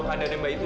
kalau dia tahu